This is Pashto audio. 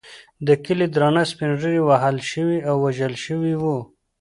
د کلي درانه سپین ږیري وهل شوي او وژل شوي وو.